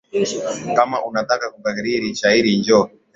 Kama unataka kukariri shairi njoo.